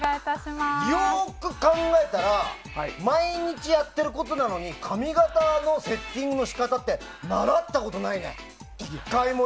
よく考えたら毎日やっていることなのに髪形のセッティングの仕方って習ったことがないね、１回も。